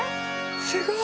すごい！